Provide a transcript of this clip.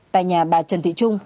tại nhà bà trần thị trung